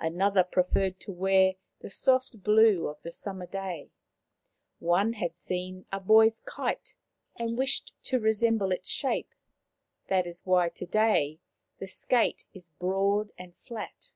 Another preferred to wear the soft blue of the summer sky. One had seen a boy's kite, and wished to resemble it in shape ; that is why to day the Skate is broad and flat.